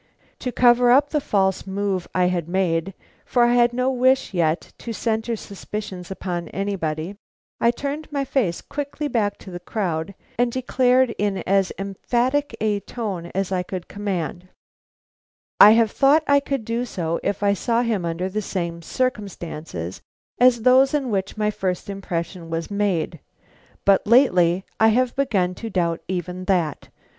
To cover up the false move I had made for I had no wish as yet to centre suspicion upon anybody I turned my face quickly back to the crowd and declared in as emphatic a tone as I could command: "I have thought I could do so if I saw him under the same circumstances as those in which my first impression was made. But lately I have begun to doubt even that.